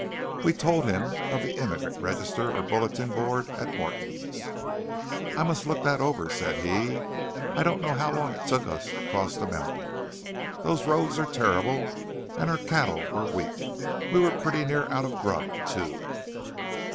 We told him of the immigrant register or bulletin board at Morton's. "I must look that over," said he. "I don't know how long it took us to cross the mountains. Those roads are terrible; and our cattle were weak. We were pretty near out of grub too.